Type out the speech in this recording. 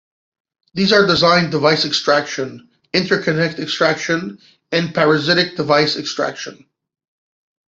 These are designed device extraction, interconnect extraction, and parasitic device extraction.